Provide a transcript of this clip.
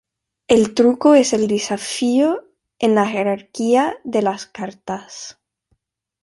El truco es el desafío en la jerarquía de las cartas.